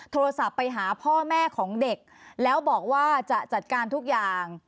โทรศัพท์ไปหาพ่อแม่ของเด็กแล้วบอกว่าจะจัดการทุกอย่าง